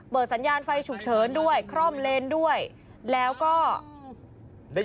สัญญาณไฟฉุกเฉินด้วยคร่อมเลนด้วยแล้วก็ได้